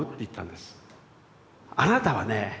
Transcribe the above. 「あなたはねぇ